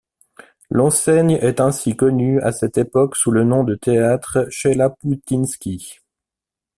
L'enseigne est ainsi connue à cette époque sous le nom de Théâtre Chelapoutinski.